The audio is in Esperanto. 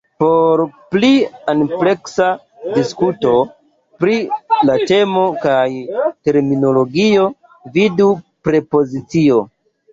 Por pli ampleksa diskuto pri la temo kaj terminologio, vidu "prepozicio".